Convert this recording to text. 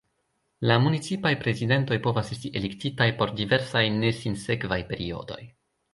La municipaj prezidentoj povas esti elektitaj por diversaj ne sinsekvaj periodoj.